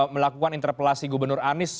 melakukan interpelasi gubernur anies